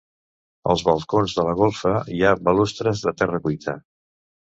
Als balcons de la golfa hi ha balustres de terra cuita.